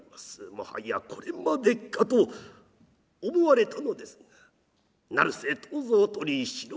「もはやこれまでか」と思われたのですが成瀬藤蔵鳥居四郎